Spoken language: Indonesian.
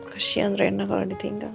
kasihan rena kalau ditinggal